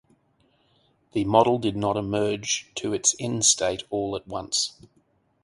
The model did not emerge to its end state all at once.